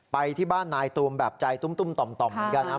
ไปที่บ้านนายตูมแบบใจตุ้มต่อมเหมือนกันนะ